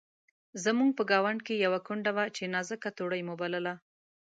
زموږ په ګاونډ کې یوه کونډه وه چې نازکه توړۍ مو بلله.